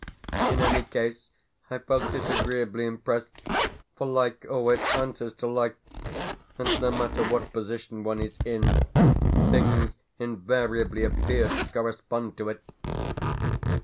In any case I felt disagreeably impressed, for like always answers to like, and, no matter what position one is in, things invariably appear to correspond to it.